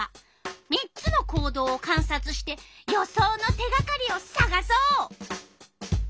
３つの行動をかんさつして予想の手がかりをさがそう！